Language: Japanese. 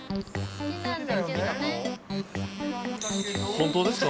本当ですか？